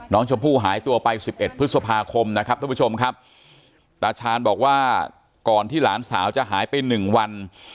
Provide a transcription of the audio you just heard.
น้องชมพู่หายตัวไป๑๑พฤษภาคมนะครับท่านผู้ชมครับตาชาญบอกว่าก่อนที่หลานสาวจะหายไป๑วัน